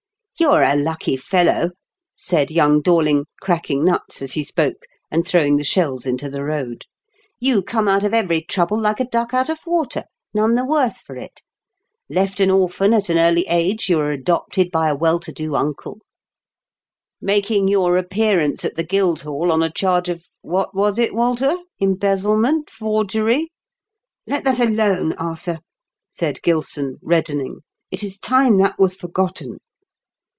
" You are a lucky fellow !" said young Dorling, cracking nuts as he spoke, and throw ing the shells into the road. " You come out of every trouble like a duck out of water, none the worse for it. Left an orphan at an early age, you are adopted by a well to do uncle; making your appearance at the Guildhall on a charge of — ^what was it, Walter? Embezzle ment, forgery '' "Let that alone, Arthur," said Gilson, reddening. " It is time that was forgotten."